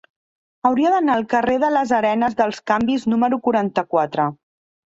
Hauria d'anar al carrer de les Arenes dels Canvis número quaranta-quatre.